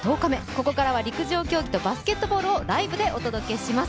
ここからは陸上競技とバスケットボールをライブでお届けします。